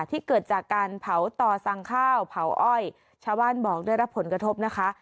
ที่เกิดจากการเผาต่อสั่งข้าวเผาอ้อยชาวบ้านบอกได้รับผลกระทบนะคะ